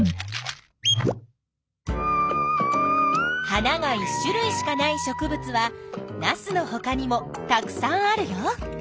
花が１種類しかない植物はナスのほかにもたくさんあるよ。